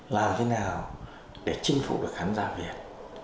làm thế nào để chinh phục được khán giả việt